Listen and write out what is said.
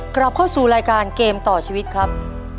กลับเข้าสู่รายการเกมต่อชีวิตครับ